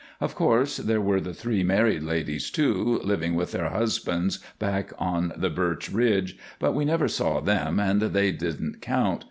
Of course there were the three married ladies, too, living with their husbands back on the Birch Ridge, but we never saw them and they didn't count.